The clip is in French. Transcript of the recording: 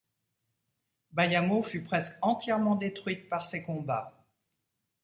Bayamo fut presque entièrement détruite par ces combats.